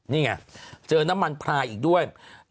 นี่ไงเจอน้ำมันพลายอีกด้วย